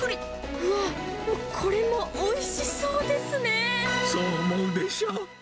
うわっ、これもおいしそうでそう思うでしょ。